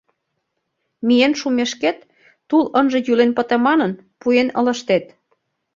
Миен шумешкет, тул ынже йӱлен пыте манын, пуэн ылыжтет.